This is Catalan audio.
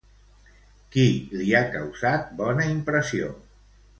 Qui li ha causat bona impressió?